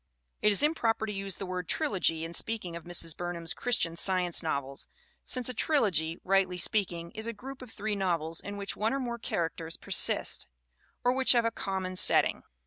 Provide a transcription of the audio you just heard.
It is improper to use the word trilogy in speaking of Mrs. Burnham's Christian Science novels, since a trilogy, rightly speaking, is a group of three novels in which one or more characters persist, or which have a common setting.